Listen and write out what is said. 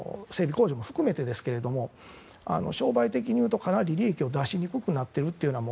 工場も含めてですけど商売的にいうとかなり利益を出しにくくなっているのは